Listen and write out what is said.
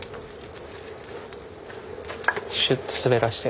シュッと滑らして